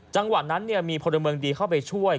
จังหวะนั้นมีพลเมืองดีเข้าไปช่วย